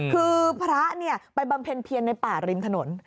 คือพระไปบำเพ็ญเพียรในป่าริมถนน